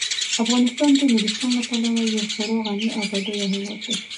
افغانستان د نورستان له پلوه یو خورا غني او بډایه هیواد دی.